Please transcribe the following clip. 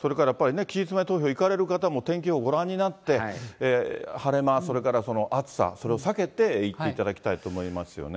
それからやっぱりね、期日前投票行かれる方も天気予報ご覧になって、晴れ間、それから暑さ、それを避けて行っていただきたいと思いますね。